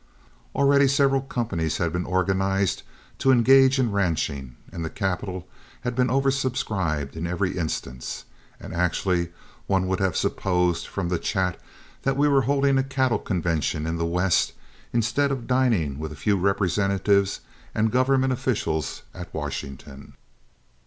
Already several companies had been organized to engage in ranching, and the capital had been over subscribed in every instance; and actually one would have supposed from the chat that we were holding a cattle convention in the West instead of dining with a few representatives and government officials at Washington.